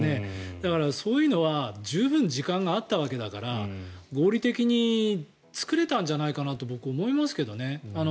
だから、そういうのは十分、時間があったわけだから合理的に作れたんじゃないかなと僕、思いますけどね。